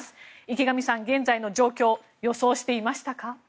池上さん、現在の状況予想していましたか？